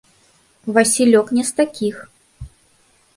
Васілёк не з такіх.